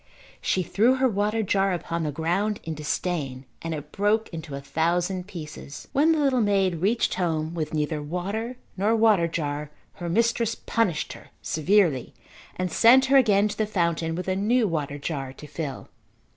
She threw her water jar upon the ground in disdain and it broke into a thousand pieces. When the little maid reached home with neither water nor water jar her mistress punished her severely and sent her again to the fountain with a new water jar to fill.